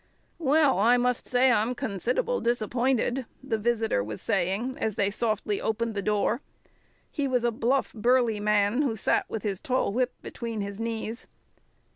"Well, I must say I'm consid'able disappointed," the visitor was saying, as they softly opened the door. He was a bluff, burly man, who sat with his tall whip between his knees.